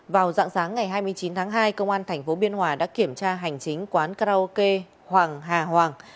vào dạng sáng ngày hai mươi chín tháng hai công an tp biên hòa đã kiểm tra hành chính quán karaoke hoàng hà hoàng